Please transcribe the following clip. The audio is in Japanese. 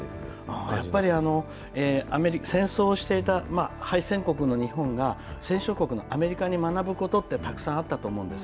やっぱり戦争していた敗戦国の日本が、戦勝国のアメリカに学ぶことってたくさんあったと思うんです。